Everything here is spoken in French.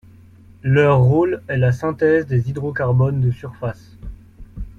Leur rôle est la synthèse des hydrocarbones de surface.